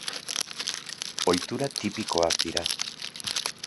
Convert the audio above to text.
Ohitura tipikoak dira.